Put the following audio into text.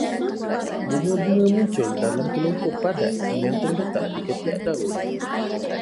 Bunga-bunga muncul dalam kelompok padat yang terletak di ketiak daun